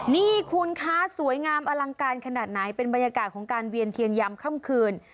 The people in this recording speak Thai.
นี่คุณคะสวยงามอลังการขนาดไหนเป็นบรรยากาศของการเวียนเทียนยามค่ำคืน